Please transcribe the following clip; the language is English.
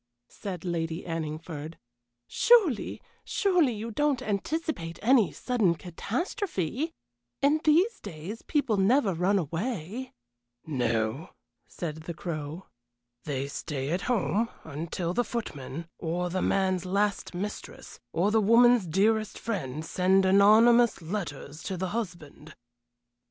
said Lady Anningford. "Surely, surely you don't anticipate any sudden catastrophe? In these days people never run away " "No," said the Crow. "They stay at home until the footman, or the man's last mistress, or the woman's dearest friend, send anonymous letters to the husband."